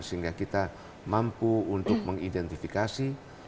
sehingga kita mampu untuk mengidentifikasi